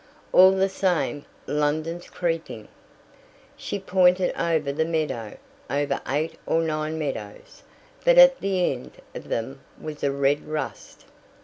"All the same, London's creeping." She pointed over the meadow over eight or nine meadows, but at the end of them was a red rust.